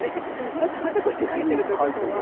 わざわざこうやって書いてるということは。